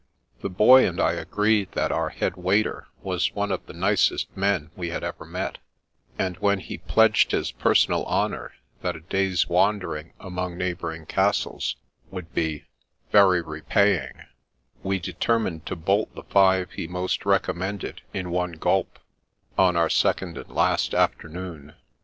The Boy and I agreed that our head waiter was one of the nicest men we had ever met, and when he pledged his personal honour that a day's wandering among neighbouring castles would be " very repay ing," we determined to bolt the five he most recom mended in one gulp, on our second and last afternoon.